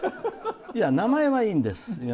いや、名前はいいんです。